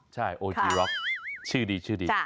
ใช่โอจร็อกชื่อดี